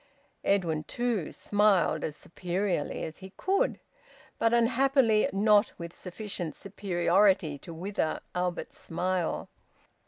Edwin, too, smiled, as superiorly as he could, but unhappily not with sufficient superiority to wither Albert's smile.